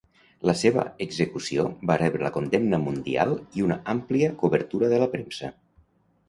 La seva execució va rebre la condemna mundial i una àmplia cobertura de la premsa.